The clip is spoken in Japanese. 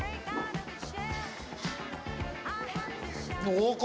濃厚！